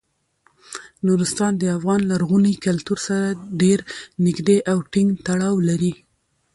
نورستان د افغان لرغوني کلتور سره ډیر نږدې او ټینګ تړاو لري.